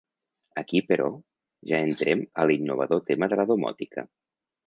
Aquí però, ja entrem a l'innovador tema de la domòtica.